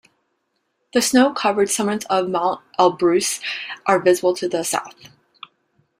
The snow-covered summits of Mount Elbrus are visible to the south.